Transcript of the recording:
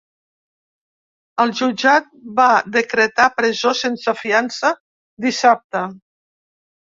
El jutjat va decretar presó sense fiança dissabte.